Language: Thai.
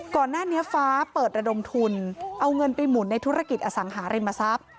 ก่อนหน้านี้ฟ้าเปิดระดมทุนเอาเงินไปหมุนในธุรกิจอสังหาริมทรัพย์